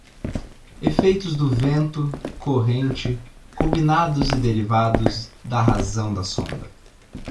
Efeitos do vento, corrente, combinado e derivados da razão da sonda.